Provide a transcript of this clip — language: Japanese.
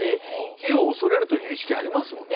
火を恐れるという意識ありますもんね。